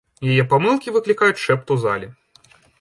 Яе памылкі выклікаюць шэпт у залі.